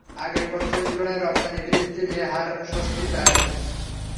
আগের বছরের তুলনায় রপ্তানি বৃদ্ধির এ হার স্বস্তিদায়ক।